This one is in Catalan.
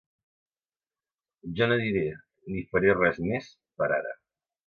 Jo no diré ni faré res més, per ara.